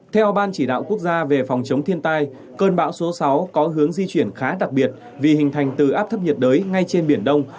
theo ban chỉ đạo quốc gia về phòng chống thiên tai cơn bão số sáu có hướng di chuyển khá đặc biệt vì hình thành từ áp thấp nhiệt đới ngay trên biển đông